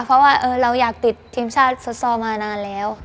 เพราะว่าเราอยากติดทีมชาติฟุตซอลมานานแล้ว